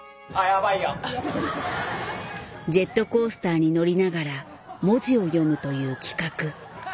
ジェットコースターに乗りながら文字を読むという企画。